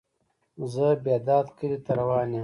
زه بیداد کلی ته روان یم.